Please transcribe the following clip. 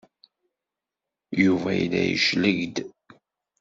Yuba yella yecleg-d.